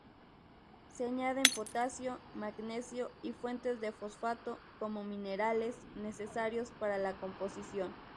Se añaden potasio, magnesio y fuentes de fosfato como minerales necesarios para la composición.